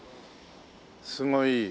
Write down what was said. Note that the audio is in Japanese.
すごい。